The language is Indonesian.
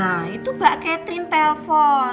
nah itu mbak catherine telpon